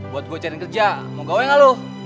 buat gue cari kerja mau gawe ga lo